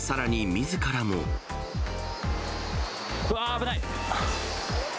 うわー、危ない。